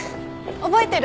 覚えてる？